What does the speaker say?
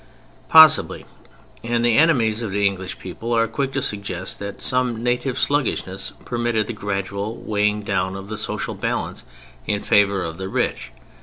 Possibly; and the enemies of the English people are quick to suggest that some native sluggishness permitted the gradual weighing down of the social balance in favor of the rich.